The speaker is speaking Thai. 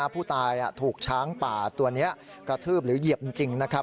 ผู้ตายถูกช้างป่าตัวนี้กระทืบหรือเหยียบจริงนะครับ